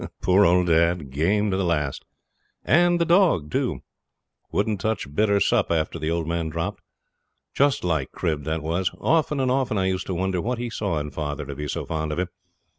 Poor old dad! game to the last. And the dog, too! wouldn't touch bit or sup after the old man dropped. Just like Crib that was! Often and often I used to wonder what he saw in father to be so fond of him.